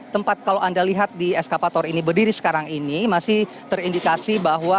tempat kalau anda lihat di eskapator ini berdiri sekarang ini masih terindikasi bahwa